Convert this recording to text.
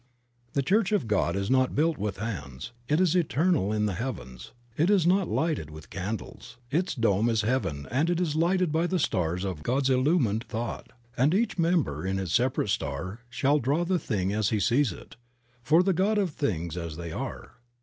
HPHE Church of God is not built with hands, it is eternal in the heavens ; it is not lighted with candles ; its dome is heaven and it is lighted by the stars of God's illum ined thought, and each member in his separate star "shall draw the thing as he sees it, for the God of things as they are."